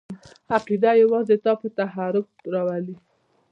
عقیده یوازې تا په تحرک راولي!